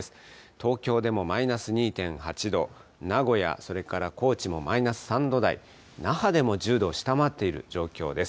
東京でもマイナス２．８度、名古屋、それから高知もマイナス３度台、那覇でも１０度を下回っている状況です。